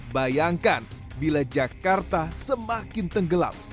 bayangkan bila jakarta semakin tenggelam